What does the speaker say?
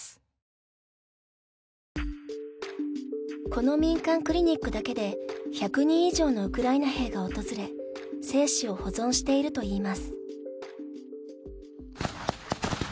この民間クリニックだけで１００人以上のウクライナ兵が訪れ精子を保存しているといいます。